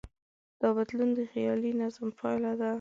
دا بدلون د خیالي نظم پایله ده.